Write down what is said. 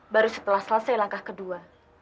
baru setelah selesai langkah kedua